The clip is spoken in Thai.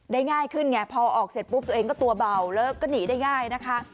ง่ายขึ้นไงพอออกเสร็จปุ๊บตัวเองก็ตัวเบาแล้วก็หนีได้ง่ายนะคะ